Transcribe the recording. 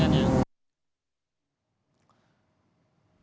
pasca puncak arus mudik